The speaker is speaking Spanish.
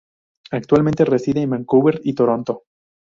Actualmente reside en Vancouver y Toronto.